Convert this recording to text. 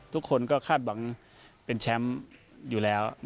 ทุกคนก็คาดหวังเป็นแชมป์อยู่แล้ว